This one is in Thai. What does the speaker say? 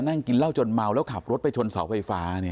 นั่งกินเหล้าจนเมาแล้วขับรถไปชนเสาไฟฟ้า